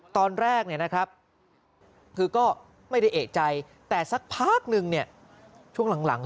ตอนแรกคือก็ไม่ได้เอกใจแต่สักพักนึงเนี่ยช่วงหลัง